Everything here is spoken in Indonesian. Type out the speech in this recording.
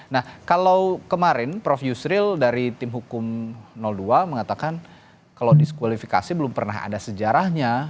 nah kalau kemarin prof yusril dari tim hukum dua mengatakan kalau diskualifikasi belum pernah ada sejarahnya